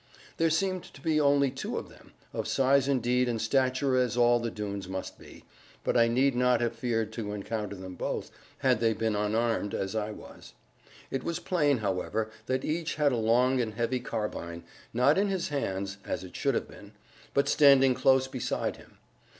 There seemed to be only two of them, of size indeed and stature as all the Doones must be; but I need not have feared to encounter them both, had they been unarmed, as I was. It was plain, however, that each had a long and heavy carbine, not in his hands (as it should have been), but standing close beside him.